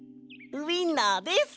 ウインナーです。